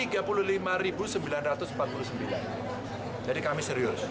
jadi kami serius